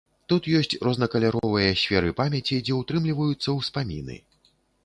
Тут ёсць рознакаляровыя сферы памяці, дзе ўтрымліваюцца ўспаміны.